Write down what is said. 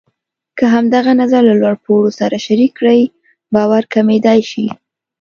که همدغه نظر له لوړ پوړو سره شریک کړئ، باور کمېدای شي.